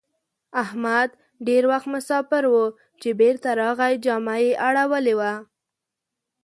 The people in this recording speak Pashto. احمد ډېر وخت مساپر وو؛ چې بېرته راغی جامه يې اړولې وه.